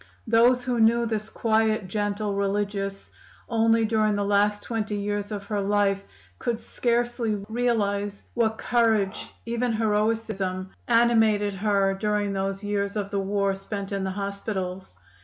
"Those who knew this quiet, gentle religious only during the last twenty years of her life could scarcely realize what courage, even heroism, animated her during those years of the war spent in the hospitals.